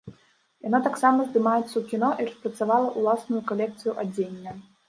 Яна таксама здымаецца ў кіно і распрацавала ўласную калекцыю адзення.